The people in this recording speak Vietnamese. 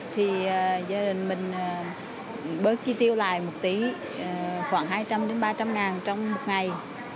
thì gia đình mình bớt chi tiêu lại một tí khoảng hai trăm linh ba trăm linh ngàn trong một ngày